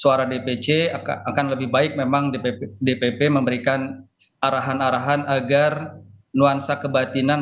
suara dpc akan lebih baik memang dpp memberikan arahan arahan agar nuansa kebatinan